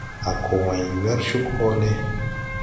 A ko wãy wer cug hoole.